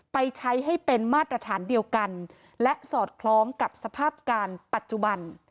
ไปใช้ให้เป็นมาตรฐานเดียวกันและสอดคล้องกับสภาพการณ์ปัจจุบัน